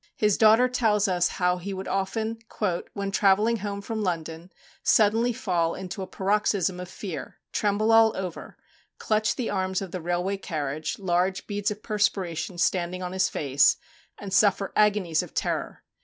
His daughter tells us how he would often, "when travelling home from London, suddenly fall into a paroxysm of fear, tremble all over, clutch the arms of the railway carriage, large beads of perspiration standing on his face, and suffer agonies of terror....